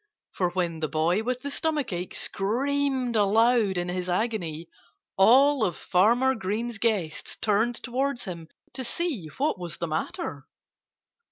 For when the boy with the stomachache screamed aloud in his agony all of Farmer Green's guests turned towards him to see what was the matter.